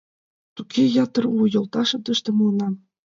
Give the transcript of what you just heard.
— Туге, ятыр у йолташым тыште муынам.